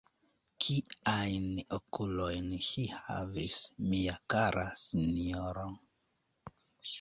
Kiajn okulojn ŝi havis, mia kara sinjoro!